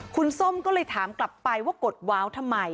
คุณส้มก็เลยถามกลับไปว่ากดว้าวทำไม